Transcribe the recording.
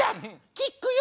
「キックよ！」。